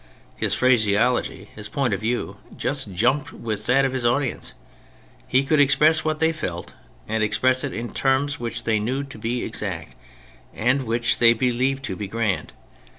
His phraseology, his point of view, just jumped with that of his audience. He could express what they felt, and express it in terms which they knew to be exact, and which they believed to be grand.